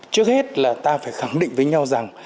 trước hết là ta phải khẳng định với nhau rằng